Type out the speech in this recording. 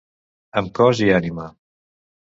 Amb cos i ànima.